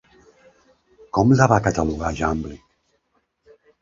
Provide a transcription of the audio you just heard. Com la va catalogar Jàmblic?